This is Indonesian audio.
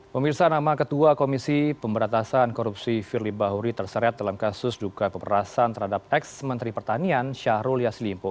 pemirsa nama ketua komisi pemberatasan korupsi firly bahuri terseret dalam kasus duga pemerasan terhadap ex menteri pertanian syahrul yaslimpo